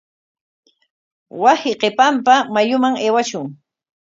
Wasi qipanpa mayuman aywashun.